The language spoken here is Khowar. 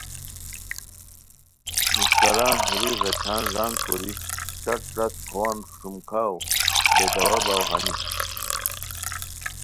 نیسکاران ہوری غیچھان ݱانگ کوری ݯت ݯت پووان شومکھاؤ بے داوا باؤ ہانی